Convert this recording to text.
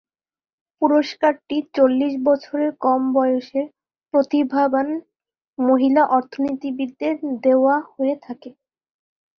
পুরস্কারটি চল্লিশ বছরের কম বয়সের প্রতিভাবান মহিলা অর্থনীতিবিদদের দেওয়া হয়ে থাকে।